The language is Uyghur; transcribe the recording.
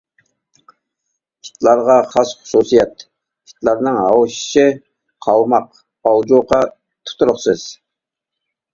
ئىتلارغا خاس خۇسۇسىيەت، ئىتلارنىڭ ھاۋشىشى قاۋىماق ئالىجوقا، تۇتۇرۇقسىز.